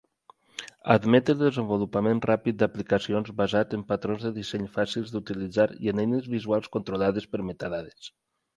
Admet el desenvolupament ràpid d'aplicacions basat en patrons de disseny fàcils d'utilitzar i en eines visuals controlades per metadades.